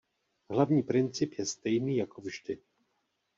Hlavní princip je stejný jako vždy.